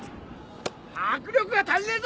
迫力が足りねえぞ！